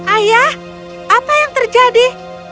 ayah apa yang terjadi